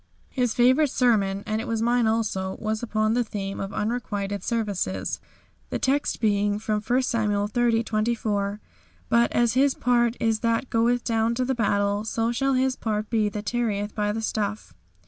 His favourite sermon, and it was mine also, was upon the theme of unrequited services, the text being from I Samuel xxx. 24, "But as his part is that goeth down to the battle, so shall his part be that tarrieth by the stuff."